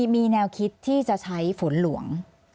มีแนวคิดที่จะใช้ฝนหลวง